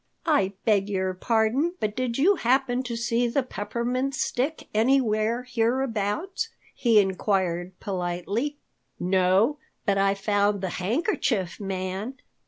"I beg your pardon, but did you happen to see the Peppermint Stick anywhere hereabouts?" he inquired politely. "No, but I found the Handkerchief Man.